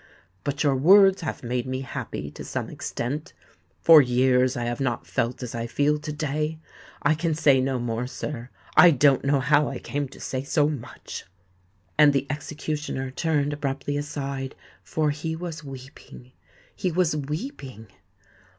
But your words have made me happy to some extent: for years I have not felt as I feel to day. I can say no more, sir: I don't know how I came to say so much!" And the executioner turned abruptly aside; for he was weeping—he was weeping!